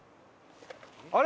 あれ？